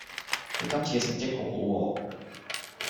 你今次嘅成績好好喎